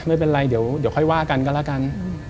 ไม่เป็นไรเดี๋ยวค่อยว่ากันก็แล้วกัน